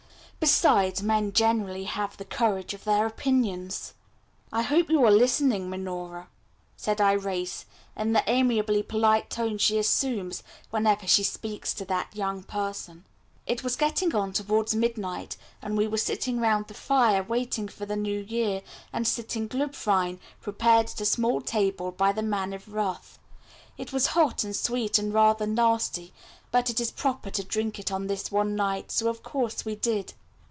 Besides, men generally have the courage of their opinions." "I hope you are listening, Miss Minora," said Irais in the amiably polite tone she assumes whenever she speaks to that young person. It was getting on towards midnight, and we were sitting round the fire, waiting for the New Year, and sipping Glubwein, prepared at a small table by the Man of Wrath. It was hot, and sweet, and rather nasty, but it is proper to drink it on this one night, so of course we did.